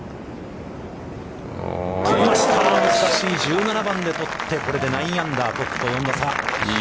来ました、難しい１７番で取って、これで９アンダー、トップと４打差。